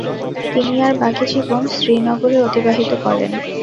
তিনি তার বাকি জীবন শ্রীনগরে অতিবাহিত করেন।